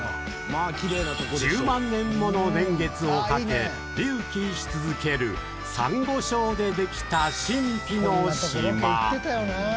１０万年もの年月をかけ隆起し続けるサンゴ礁でできた神秘の島。